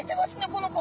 この子。